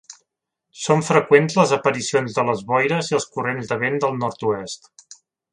Són freqüents les aparicions de les boires i els corrents de vent del Nord-oest.